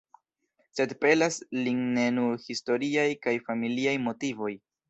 Sed pelas lin ne nur historiaj kaj familiaj motivoj.